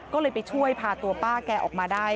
ก็เลยไปช่วยพาตัวป้าแกออกมาได้